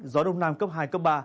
gió đông nam cấp hai cấp ba